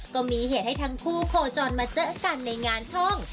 ก็มีเหตุให้ทั้งคู่โคจรมาเจอกันในงานช่อง